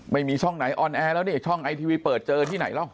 ไม่มีช่องไหนออนแอร์แล้วนี่ช่องไอทีวีเปิดเจอที่ไหนแล้ว